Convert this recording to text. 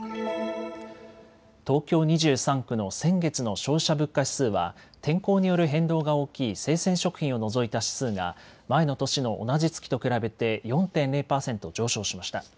東京２３区の先月の消費者物価指数は天候による変動が大きい生鮮食品を除いた指数が前の年の同じ月と比べて４．０％上昇しました。